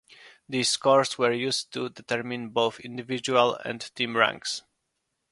These scores were used to determine both individual and team ranks.